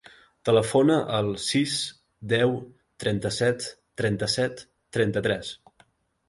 Telefona al sis, deu, trenta-set, trenta-set, trenta-tres.